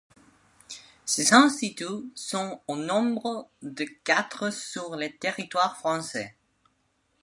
Ces instituts sont au nombre de quatre sur le territoire français.